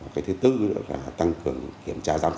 cái thứ tư nữa là tăng cường kiểm tra giám sát